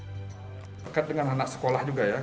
terkait dengan anak sekolah juga ya